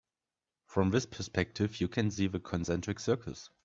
From this perspective you can see the concentric circles.